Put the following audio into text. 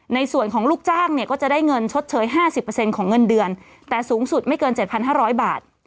ในส่วนของลูกจ้างเนี่ยก็จะได้เงินชดเชย๕๐ของเงินเดือนแต่สูงสุดไม่เกิน๗๕๐๐บาท